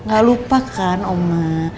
gak lupa kan oma